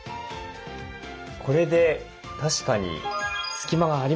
これで確かに隙間がありますね。